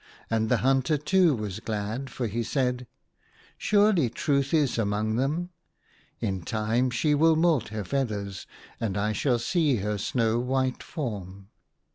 And the hunter too was glad, for he said — THE HUNTER. 31 "Surely Truth is among them. In time she will moult her feathers, and I shall see her snow white form."